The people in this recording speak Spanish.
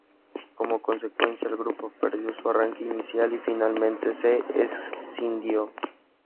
Como consecuencia, el grupo perdió su arranque inicial y finalmente se escindió.